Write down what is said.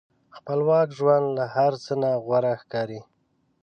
خپلواک ژوند له هر څه نه غوره ښکاري.